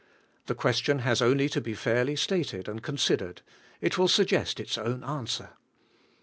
The question has only to be fairly stated and considered, — it will suggest its own answer.